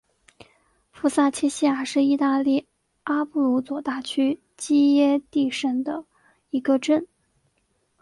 福萨切西亚是意大利阿布鲁佐大区基耶蒂省的一个镇。